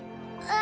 あ。